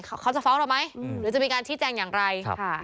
เขาจะฟ้องเราไหมหรือจะมีการชี้แจงอย่างไร